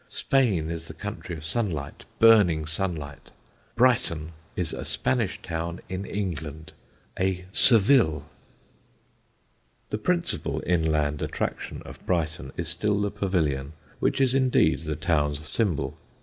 Spain is the country of sunlight, burning sunlight; Brighton is a Spanish town in England, a Seville." [Sidenote: THE PAVILION] The principal inland attraction of Brighton is still the Pavilion, which is indeed the town's symbol.